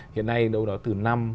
hiện nay đâu đó từ năm